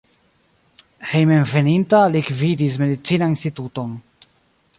Hejmenveninta li gvidis medicinan instituton.